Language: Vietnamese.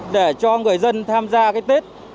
để cho người dân tham gia tết